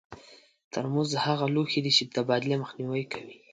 ترموز هغه لوښي دي چې د تبادلې مخنیوی کوي.